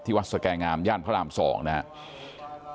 ที่วัดสแกงามญาติพระรามสองนะฮะ